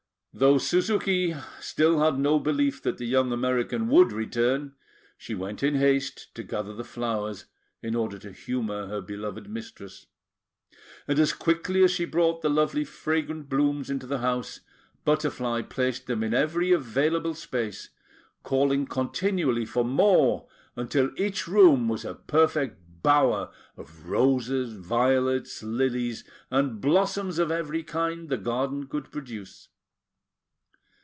Though Suzuki had still no belief that the young American would return, she went in haste to gather the flowers, in order to humour her beloved mistress; and as quickly as she brought the lovely fragrant blooms into the house, Butterfly placed them in every available space, calling continually for more, until each room was a perfect bower of roses, violets, lilies, and blossoms of every kind the garden could produce.